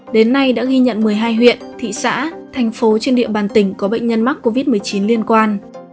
đến nay đã ghi nhận một mươi hai huyện thị xã thành phố trên địa bàn tỉnh có bệnh nhân mắc covid một mươi chín liên quan